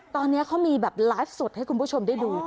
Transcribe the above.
ตอนนี้เขามีแบบไลฟ์สดให้คุณผู้ชมได้ดู